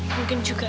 mungkin juga ya